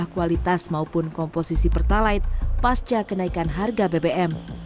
kualitas maupun komposisi pertalite pasca kenaikan harga bbm